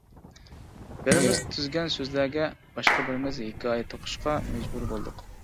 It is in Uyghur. بىرىمىز تۈزگەن سۆزلەرگە باشقا بىرىمىز ھېكايە توقۇشقا مەجبۇر بولدۇق.